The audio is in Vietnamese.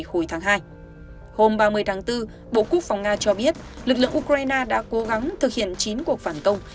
hồi tháng ba mươi tháng bốn bộ quốc phòng nga cho biết lực lượng ukraine đã cố gắng thực hiện chín cuộc phản công